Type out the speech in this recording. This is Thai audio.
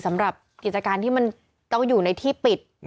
สำหรับกิจการที่มันต้องอยู่ในที่ปิด